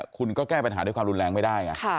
คุณก็แก้ปัญหาด้วยความรุนแรงไม่ได้ไง